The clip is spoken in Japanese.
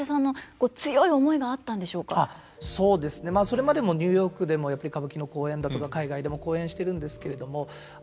それまでもニューヨークでもやっぱり歌舞伎の公演だとか海外でも公演してるんですけれども。